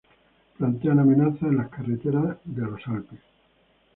Plantean amenazas en las carreteras de los Alpes.